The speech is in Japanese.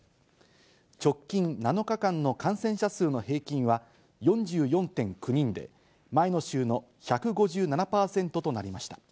直近７日間の感染者数の平均は、４４．９人で、前の週の１５７％となりました。